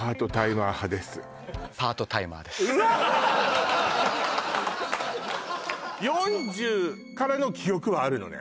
私はうわっ４０からの記憶はあるのね？